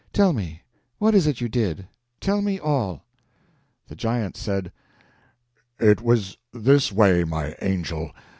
Tell me—what is it you did? Tell me all." The giant said: "It was this way, my angel.